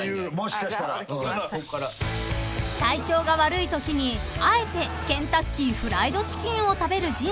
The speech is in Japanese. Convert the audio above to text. ［体調が悪いときにあえてケンタッキーフライドチキンを食べる陣さん］